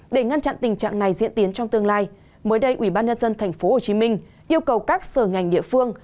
để ngăn chặn tình trạng này diễn tiến trong tương lai mới đây ubnd tp hcm yêu cầu các sở ngành địa phương